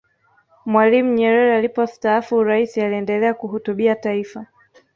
mwalimu nyerere alipostaafu uraisi aliendelea kuhutubia taifa